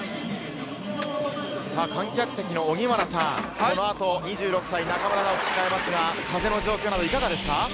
観客席の荻原さん、この後、２６歳・中村直幹が控えますが風の状況はいかがですか？